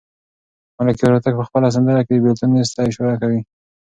ملکیار هوتک په خپله سندره کې د بېلتون نیز ته اشاره کوي.